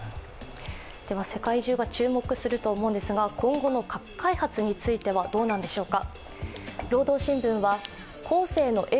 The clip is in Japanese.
世界中が注目すると思うんですが、今後の核開発に対してはどうなんでしょうか。